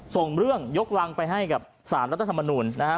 ส่งเรื่องยกรังไปให้กับสารรัฐธรรมนูลนะฮะ